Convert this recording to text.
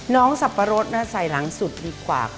น้องสับปะรดแสดงสุดดีกว่า